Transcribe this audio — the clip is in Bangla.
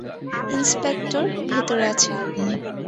ইন্সপেক্টর ভিতরে আছে।